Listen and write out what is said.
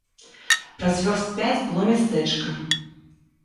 Праз вёрст пяць было мястэчка.